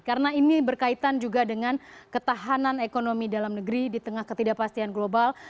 karena ini berkaitan juga dengan ketahanan ekonomi dalam negeri di tengah ketidakpastian global